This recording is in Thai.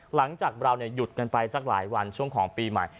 หลังจากเราหยุดกันไปสักหลายวันช่วงของปีใหม่